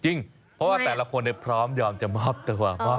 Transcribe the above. จริงเพราะว่าแต่ละคนพร้อมยอมจะมอบตัวมอบใจแหละครับ